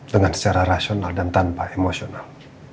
dengan secara rasional dan tanpa emosional